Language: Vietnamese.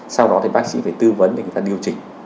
sau đó thì bác sĩ phải tư vấn để người ta điều chỉnh